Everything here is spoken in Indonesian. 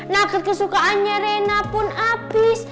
nugget kesukaannya rena pun habis